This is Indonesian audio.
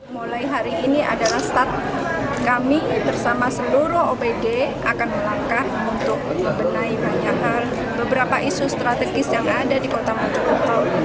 mulai hari ini adalah start kami bersama seluruh opd akan melangkah untuk membenahi banyak hal beberapa isu strategis yang ada di kota mojokerto